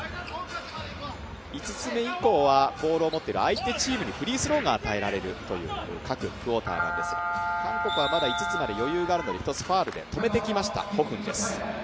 ５つ目以降は、ボールを持っている相手チームにフリースローが与えられるという各クオーターなんですが、韓国はまだ５つまで余裕があるので１つファウルで止めてきましたホ・フンです。